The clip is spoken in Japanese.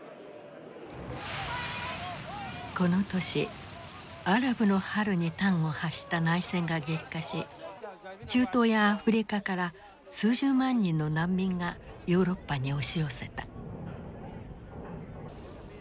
この年アラブの春に端を発した内戦が激化し中東やアフリカから数十万人の難民がヨーロッパに押し寄せた。